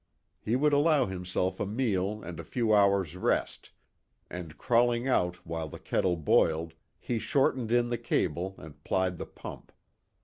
He would allow himself a meal and a few hours' rest; and crawling out while the kettle boiled, he shortened in the cable and plied the pump.